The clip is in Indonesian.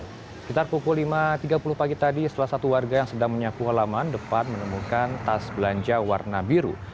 sekitar pukul lima tiga puluh pagi tadi salah satu warga yang sedang menyapu halaman depan menemukan tas belanja warna biru